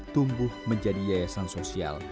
tumbuh menjadi yayasan sosial